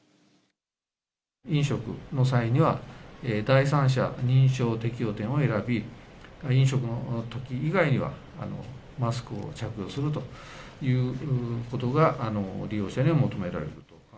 飲食の際には、第三者認証適用店を選び、飲食のとき以外は、マスクを着用するということが利用者には求められる。